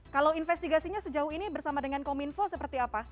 kalau investigasinya sejauh ini bersama dengan kominfo seperti apa